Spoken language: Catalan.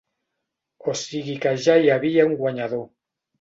O sigui que ja hi havia un guanyador.